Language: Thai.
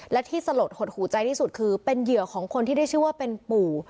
และที่สลดหดหูใจที่สุดคือเป็นเหยื่อของคนที่ได้ชื่อว่าเป็นปู่